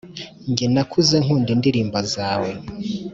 nge nakuze nkunda indirimbo zawe,